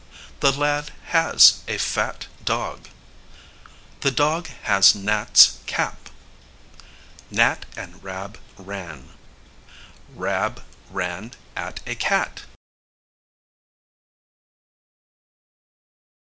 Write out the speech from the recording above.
The lad has a fat dog. The dog has Nat's cap. Nat and Rab ran. Rab ran at a cat.